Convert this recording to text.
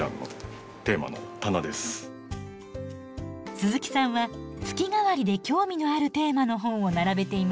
鈴木さんは月替わりで興味のあるテーマの本を並べています。